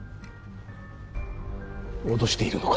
脅しているのか